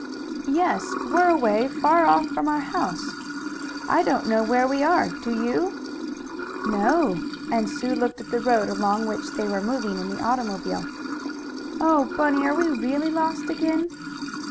"Yes. We're away far off from our house. I don't know where we are; do you?" "No," and Sue looked at the road along which they were moving in the automobile. "Oh, Bunny! Are we really lost again?"